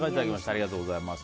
ありがとうございます。